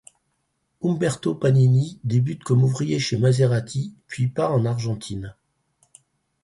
Umberto Panini débute comme ouvrier chez Maserati puis part en Argentine.